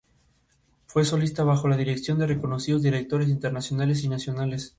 Fue solista bajo la dirección de reconocidos directores internacionales y nacionales.